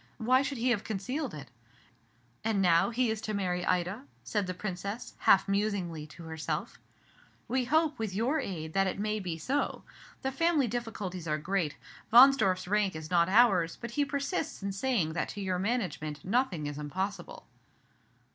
Why should he have concealed it?" "And now he is to marry Ida?" said the Princess, half musingly, to herself. "We hope, with your aid, that it may be so. The family difficulties are great; Wahnsdorf s rank is not ours; but he persists in saying that to your management nothing is impossible."